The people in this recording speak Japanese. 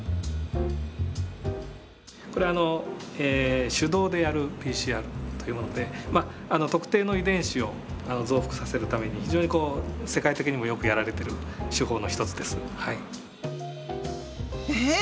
これは手動でやるＰＣＲというもので特定の遺伝子を増幅させるために非常に世界的にもよくやられてる手法の一つです。え！？